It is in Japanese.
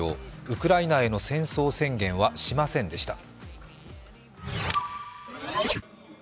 ウクライナへの戦争宣言はしませんでした。